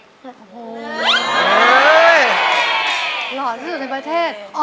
หล่อที่สุดในประเทศ